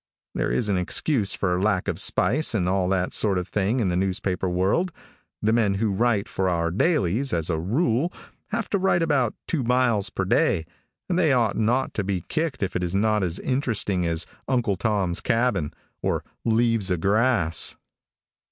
There is an excuse for lack of spice and all that sort of thing in the newspaper world. The men who write for our dailies, as a rule, have to write about two miles per day, and they ought not to be kicked if it is not as interesting as "Uncle Tom's Cabin," or "Leaves o' Grass."